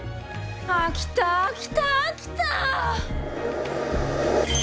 飽きた飽きた飽きたー！